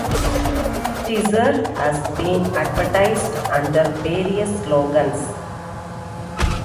Tizer has been advertised under various slogans.